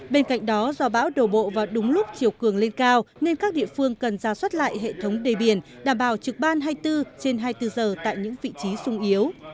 bên cạnh đó do bão đổ bộ vào đúng lúc chiều cường lên cao nên các địa phương cần ra soát lại hệ thống đề biển đảm bảo trực ban hai mươi bốn trên hai mươi bốn giờ tại những vị trí sung yếu